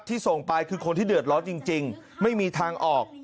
ส่งไปคือคนที่เดือดร้อนจริงไม่มีทางออก